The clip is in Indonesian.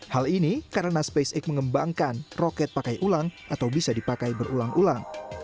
hal ini karena spacex mengembangkan roket pakai ulang atau bisa dipakai berulang ulang